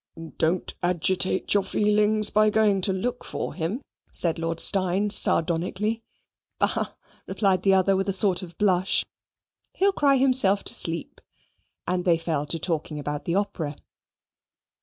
"Don't agitate your feelings by going to look for him," said Lord Steyne sardonically. "Bah!" replied the other, with a sort of blush, "he'll cry himself to sleep"; and they fell to talking about the opera.